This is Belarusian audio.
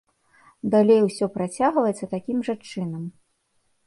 Далей ўсё працягваецца такім жа чынам.